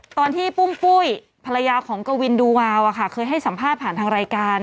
ตอนที่ปุ้มปุ้ยภรรยาของกวินดูวาวอ่ะค่ะเคยให้สัมภาพผ่านทางรายการ